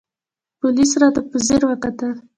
پوليس راته په ځير وکتل.